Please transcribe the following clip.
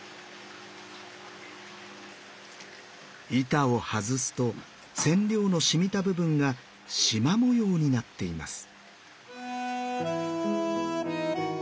板を外すと染料の染みた部分が縞模様になっています。